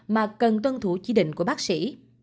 mà cần tuân thủ chỉ định của bác sĩ